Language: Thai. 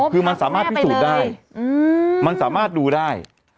คือมันสามารถพิสูจน์ได้มันสามารถดูได้